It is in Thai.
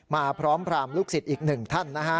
มาพร้อมพรามลูกศิษย์อีกหนึ่งท่านนะฮะ